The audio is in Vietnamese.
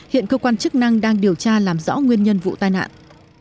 hiện cơ quan chức năng đang điều tra làm rõ nguyên nhân vụ tai nạn